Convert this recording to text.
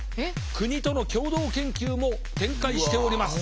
国との共同研究も展開しております。